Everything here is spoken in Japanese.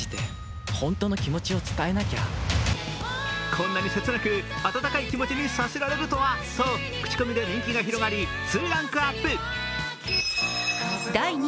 こんなに切なく温かい気持ちにさせられるとはと、口コミで人気が広がりツーランクアップ。